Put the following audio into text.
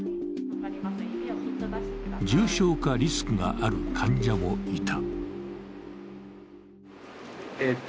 重症化リスクがある患者もいた。